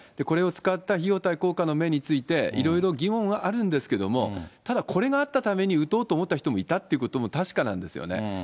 これを使った費用対効果の面について、いろいろ疑問はあるんですけども、ただこれがあったために打とうと思った人もいたということも確かなんですよね。